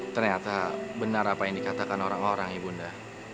ternyata benar apa yang dikatakan orang orang ibunda